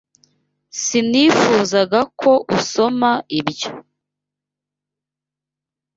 Sinifuzaga ko usoma ibyo.